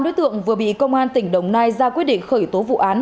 ba đối tượng vừa bị công an tỉnh đồng nai ra quyết định khởi tố vụ án